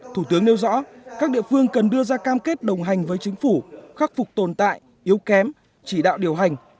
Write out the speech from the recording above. thủ tướng nêu rõ các địa phương cần đưa ra cam kết đồng hành với chính phủ khắc phục tồn tại yếu kém chỉ đạo điều hành